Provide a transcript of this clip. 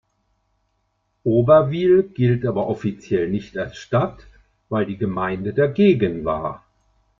Oberwil gilt aber offiziell nicht als Stadt, weil die Gemeinde dagegen war.